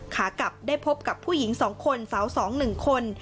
ขากลับได้พบกับผู้หญิงสองคนสาวสองหนึ่งคน